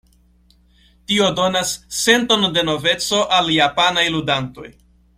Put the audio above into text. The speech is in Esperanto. Tio donas senton de noveco al japanaj ludantoj.